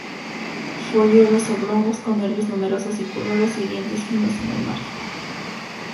Folíolos oblongos, con nervios numerosos y curvados, y dientes finos en el margen.